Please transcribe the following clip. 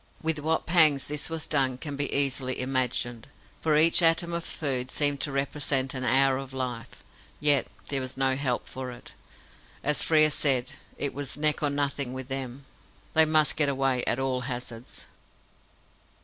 With what pangs this was done can be easily imagined, for each atom of food seemed to represent an hour of life. Yet there was no help for it. As Frere said, it was "neck or nothing with them". They must get away at all hazards.